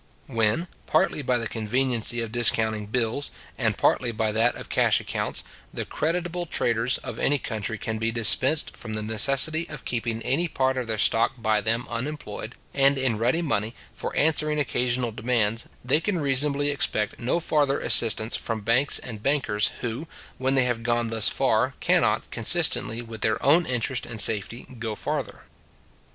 When, partly by the conveniency of discounting bills, and partly by that of cash accounts, the creditable traders of any country can be dispensed from the necessity of keeping any part of their stock by them unemployed, and in ready money, for answering occasional demands, they can reasonably expect no farther assistance from hanks and bankers, who, when they have gone thus far, cannot, consistently with their own interest and safety, go farther.